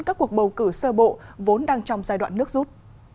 các cuộc bầu cử sơ bộ vốn đang trong giai đoạn nước rút